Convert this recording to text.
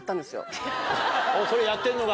それやってんのが。